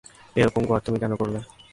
এরকম গোয়ার্তুমি কেন করলে?